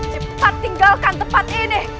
cepat tinggalkan tempat ini